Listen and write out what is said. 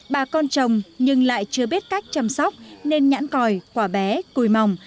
bà con trồng nhưng lại chưa biết cách chăm sóc nên nhãn còi quả bé cùi mỏng